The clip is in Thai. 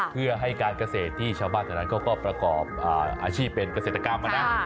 เพื่อให้การเกษตรที่ชาวบ้านแถวนั้นเขาก็ประกอบอาชีพเป็นเกษตรกรรมนะ